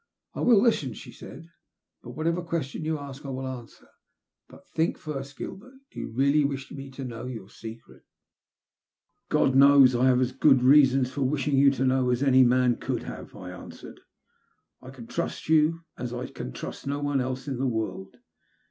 " I will listen," she said, " and whatever question you ask I will answer. But think first, Gilbert ; do you really wish me to know your secret? " 11 243 THE LUST OF HATB. ''God knows I have as good reasons for wishing jon to know as any man could have/' I answered. ''I can trust you as I can trust no one else in the world.